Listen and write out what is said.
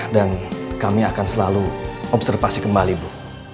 dan kami akan selalu observasi kembali bu